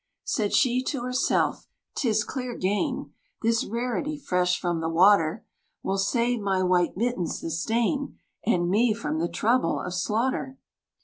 Said she to herself, "Tis clear gain, This rarity, fresh from the water, Will save my white mittens the stain And me from the trouble of slaughter!"